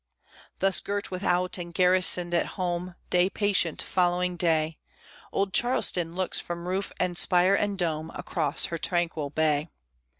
Thus girt without and garrisoned at home, Day patient following day, Old Charleston looks from roof and spire and dome, Across her tranquil bay.